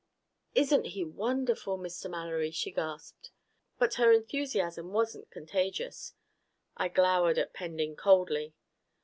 "Isn't he wonderful, Mr. Mallory?" she gasped. But her enthusiasm wasn't contagious. I glowered at Pending coldly.